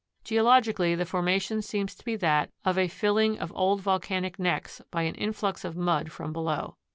Geologically the formation seems to be that of a filling of old volcanic necks by an influx of mud from below.